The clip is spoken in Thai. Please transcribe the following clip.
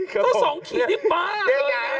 ก็สองขีดที่ป๊าเลย